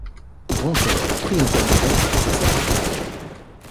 Grantaire prit un tabouret et s’attabla.